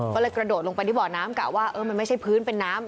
ก็เลยกระโดดลงไปที่บ่อน้ำกะว่าเออมันไม่ใช่พื้นเป็นน้ำ